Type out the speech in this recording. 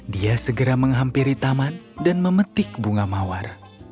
dia segera menghampiri taman dan memetik bunga mawar